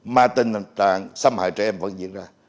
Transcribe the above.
mà tình trạng xâm hại trẻ em vẫn diễn ra